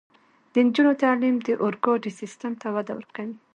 د نجونو تعلیم د اورګاډي سیستم ته وده ورکوي.